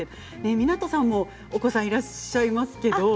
湊さんもお子さんいらっしゃいますね。